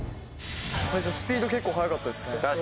最初スピード結構速かったですね。